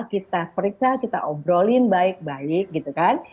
kita periksa kita obrolin baik baik gitu kan